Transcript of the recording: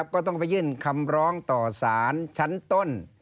ก็ต้องไปยื่นคำร้องต่อสารชั้นต้น